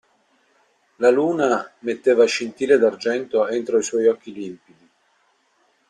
La luna metteva scintille d'argento entro i suoi occhi limpidi.